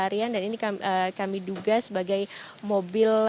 rian dan ini kami duga sebagai mobil